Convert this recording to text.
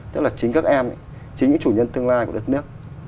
thương lai của đất nước